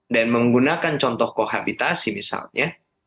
dan menggunakan contoh kohabitasi misalnya